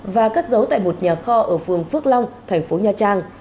và cắt giấu tại một nhà kho ở phương phước long tp nha trang